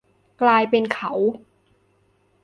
กลายเป็นเขา